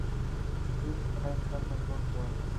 This Ain´t My World.